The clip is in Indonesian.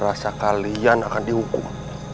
rasa kalian akan dihukum